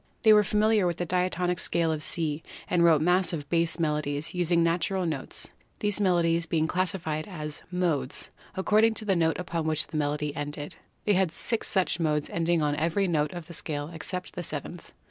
They were familiar with the diatonic scale of C and wrote massive bass melodies, using the natural notes, these melodies being classified as "modes," according to the note upon which the melody ended. They had six such modes ending on every note of the scale except the seventh.